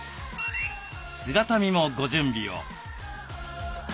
姿見もご準備を。